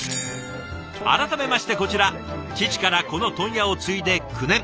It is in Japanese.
改めましてこちら父からこの問屋を継いで９年。